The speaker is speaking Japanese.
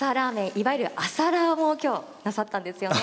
いわゆる朝ラーも今日なさったんですよね。